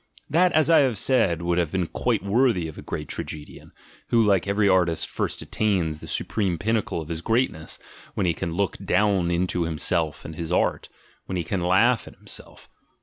That, as I have said, would have been quite worthy of a great tragedian; who like every artist first attains the supreme pinnacle of his greatness when he can look down into himself and his art, when he can laugh at himself.